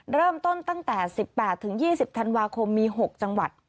เริ่มต้นตั้งแต่๑๘๒๐ธันวาคมมี๖จังหวัด